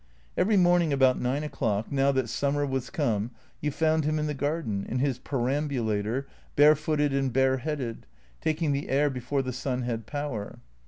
Every morning about nine o'clock, now that summer was come, you found him in the garden, in his perambulator, bare footed and bareheaded, taking the air before the sun had power.